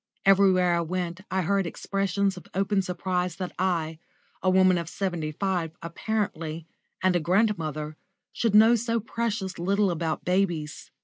Everywhere I went I heard expressions of open surprise that I, a woman of seventy five apparently, and a grandmother, should know so precious little about babies.